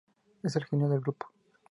Es el genio del grupo.